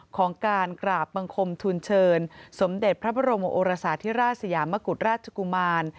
ของการกราบบังคมทุนเชิญสมเด็จพระบรมโอรสาธิราชสยามกุฎราชกุมาร